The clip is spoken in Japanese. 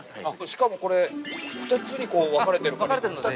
◆しかもこれ、２つに分かれてるので。